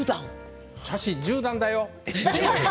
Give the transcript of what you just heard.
茶師十段だよ！